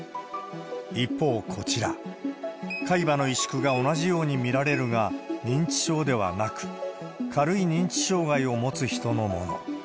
一方、こちら、海馬の萎縮が同じように見られるが、認知症ではなく、軽い認知障害を持つ人のもの。